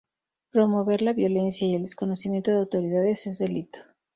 Promover la violencia y el desconocimiento de autoridades es delito".